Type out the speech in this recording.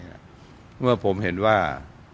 เพราะว่าผมเห็นว่า